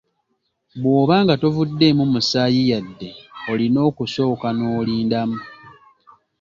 Bw'oba nga tovuddeemu musaayi yadde, olina okusooka n’olindamu.